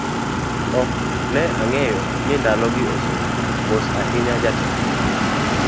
Ok ne ang'eyo ni ndalo gi oserumo, mos ahinya jatelo: